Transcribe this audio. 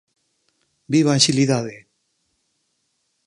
¡Viva a axilidade!